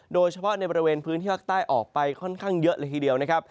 โดยเฉพาะในบริเวณพื้นที่ภาคใต้ออกไปค่อนข้างเยอะเลยทีเดียวนะครับ